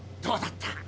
どうだった？